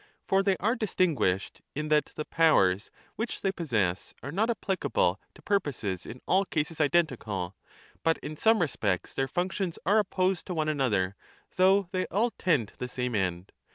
For they are distinguished in that the powers which they possess are not applicable to purposes in all cases identical, but in some respects their functions are opposed to one another though they all tend to the same end.